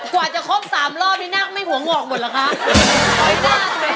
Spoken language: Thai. กว่าจะคบ๓รอบนี่น่าไม่ห่วงห่อกหมดหรือคะ